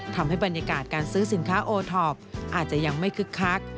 ทำให้บรรยากาศการซื้อสินค้าโอทอปอาจจะยังไม่คึกคัก